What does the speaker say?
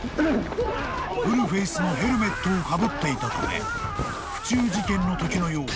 ［フルフェイスのヘルメットをかぶっていたため府中事件のときのように］